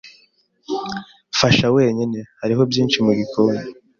Fasha wenyine. Hariho byinshi mu gikoni.